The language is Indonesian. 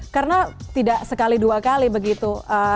karena tidak sekali dua kali begitu